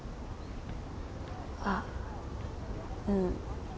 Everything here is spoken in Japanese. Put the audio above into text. あっうん。